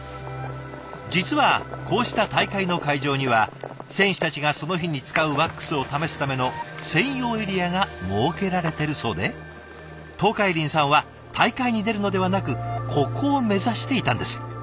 実はこうした大会の会場には選手たちがその日に使うワックスを試すための専用エリアが設けられてるそうで東海林さんは大会に出るのではなくここを目指していたんです。